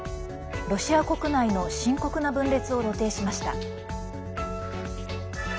ロシア国内の深刻な分裂を露呈しました。